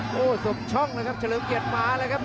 โอ้โหสมช่องเลยครับเฉลิมเกียรติมาเลยครับ